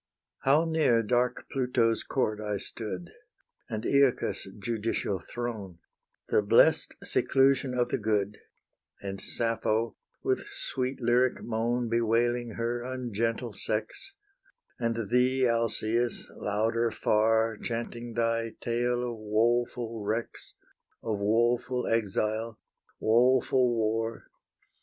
How near dark Pluto's court I stood, And AEacus' judicial throne, The blest seclusion of the good, And Sappho, with sweet lyric moan Bewailing her ungentle sex, And thee, Alcaeus, louder far Chanting thy tale of woful wrecks, Of woful exile, woful war!